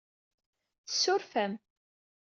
Tessuref-am.